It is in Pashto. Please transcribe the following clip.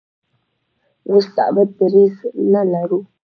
موږ ثابت دریځ نه لرو.